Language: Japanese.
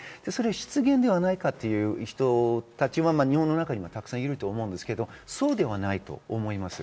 失言ではないかという人たちは日本の中にもたくさんいると思いますが、そうではないと思います。